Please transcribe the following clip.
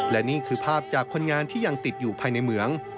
และนี่คือภาพจากคนงานที่ยังติดอยู่ภายในเหมือง